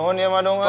nuhun ya madung ya